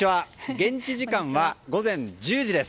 現地時間は午前１０時です。